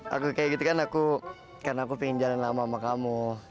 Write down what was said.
aku kayak gitu kan aku karena aku pengen jalan lama sama kamu